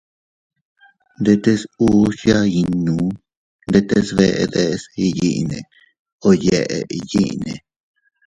Ndetes uus yaa innu ndetes bee deʼes iyyinne o yeʼe iyinne.